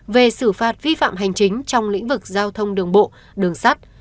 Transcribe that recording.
về xử phạt vi phạm hành chính trong lĩnh vực giao thông đường bộ đường sắt